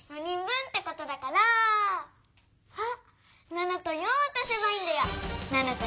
７と４を足せばいいんだよ。